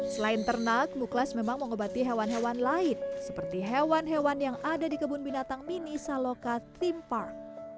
selain ternak muklas memang mengobati hewan hewan lain seperti hewan hewan yang ada di kebun binatang mini saloka theme park